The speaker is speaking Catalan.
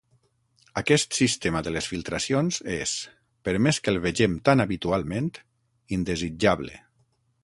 Aquest sistema de les filtracions és, per més que el vegem tan habitualment, indesitjable.